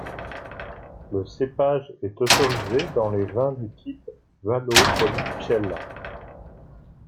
Le cépage est autorisé dans les vins du type Valpolicella.